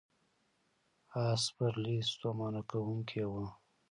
آس سپرلي ستومانه کوونکې وه.